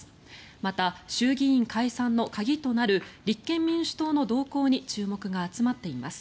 また、衆議院解散の鍵となる立憲民主党の動向に注目が集まっています。